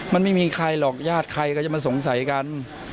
มันไม่มีใครหรอกญาติใครก็จะมาสงสัยกัน